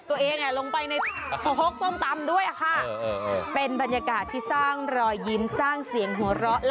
โอ้วช่วงนี้ต้องถวมน่ากากอนามัยนะ